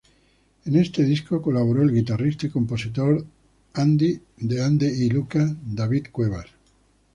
En este disco colaboró el guitarrista y compositor de Andy y Lucas, David Cuevas.